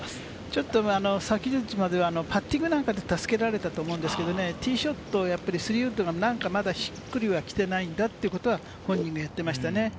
ちょっと昨日まではパッティングで助けられたと思うんですが、ティーショット、スリーウッドがしっくりきていないんだってことを本人が言っていましたね。